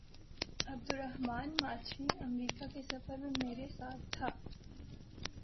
Abdul Rahman Machhi America کے سفر میں میرے ساتھ تھا۔